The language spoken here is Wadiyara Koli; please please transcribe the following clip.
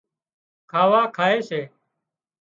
کاوا کائي سي